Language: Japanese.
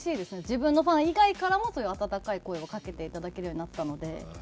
自分のファン以外からもそういう温かい声をかけていただけるようになったので。